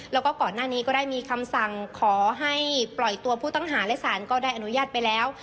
แล้วก็ก่อนหน้านี้ก็ได้มีคำสั่งขอให้ปล่อยตัวผู้ต้องหาและสารก็ได้อนุญาตไปแล้ว